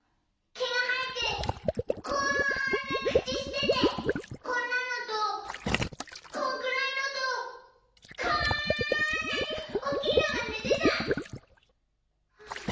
毛が生えてこんな口しててこんなのとこんくらいのとこんなに大きいのが寝てた。